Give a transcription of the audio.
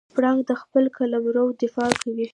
پړانګ د خپل قلمرو دفاع کوي.